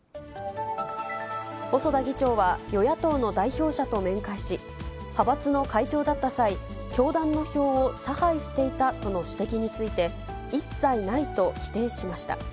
細田議長は、与野党の代表者と面会し、派閥の会長だった際、教団の票を差配していたとの指摘について、一切ないと否定しました。